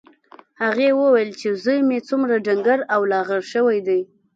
هغې وویل چې زوی مې څومره ډنګر او لاغر شوی دی